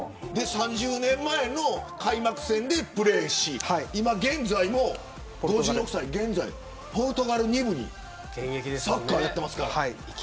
３０年前の開幕戦でプレーして今、現在も５６歳で、ポルトガル２部でサッカーをやってますから。